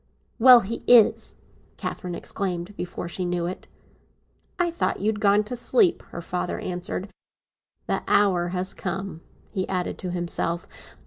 "Well, he is!" Catherine exclaimed, before she knew it. "I thought you had gone to sleep," her father answered. "The hour has come!" he added to himself.